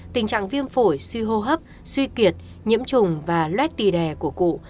tình trạng viêm phổi suy hô hấp suy kiệt nhiễm trùng và luet tì đè của cụ